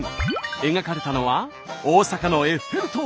描かれたのは大阪のエッフェル塔。